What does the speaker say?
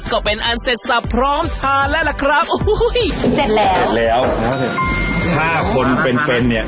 ก็เป็นอันเสร็จสับพร้อมทานแล้วล่ะครับโอ้โหเสร็จแล้วเสร็จแล้วถ้าคนเป็นแฟนเนี่ย